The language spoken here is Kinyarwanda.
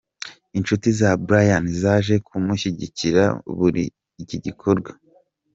Inshuti za Brian zaje kumushyigikira muri iki gikorwa.